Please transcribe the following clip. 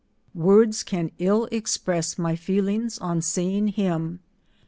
Words can ill express my feelings on seeing him.